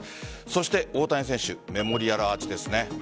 そして大谷選手メモリアルアーチです。